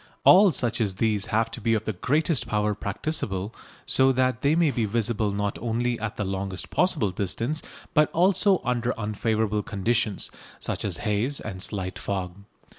All such as these have to be of the greatest power practicable, so that they may be visible not only at the longest possible distance, but also under unfavourable conditions, such as haze and slight fog.